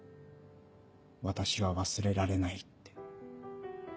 「私は忘れられない」って。